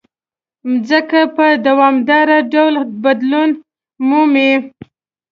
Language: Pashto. مځکه په دوامداره ډول بدلون مومي.